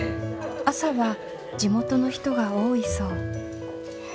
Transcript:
朝は地元の人が多いそう。